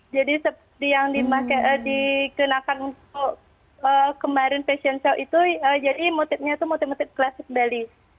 jadi seperti yang dikenakan kemarin fashion show itu jadi motifnya itu motif motif klasik bali